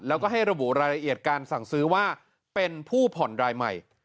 แล้วก็ให้ระบุรายละเอียดการสั่งซื้อว่าเป็นผู้ผ่อนรายใหม่